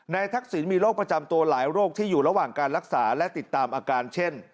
ทักษิณมีโรคประจำตัวหลายโรคที่อยู่ระหว่างการรักษาและติดตามอาการเช่น